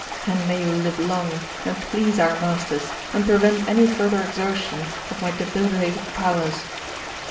And may you live long, and please our masters, and prevent any further exertion of my debilitated powers."